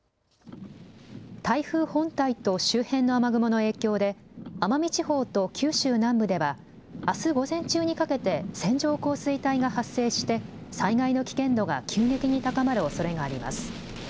台風本体と周辺の雨雲の影響で奄美地方と九州南部ではあす午前中にかけて線状降水帯が発生して災害の危険度が急激に高まるおそれがあります。